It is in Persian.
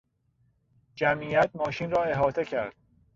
جمعیت ماشین را احاطه کرد.